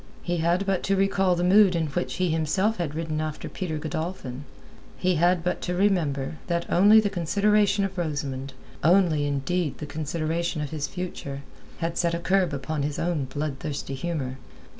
He had but to recall the mood in which he himself had ridden after Peter Godolphin; he had but to remember, that only the consideration of Rosamund—only, indeed, the consideration of his future—had set a curb upon his own bloodthirsty humour.